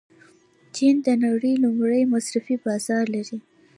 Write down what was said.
چین د نړۍ لوی مصرفي بازار لري.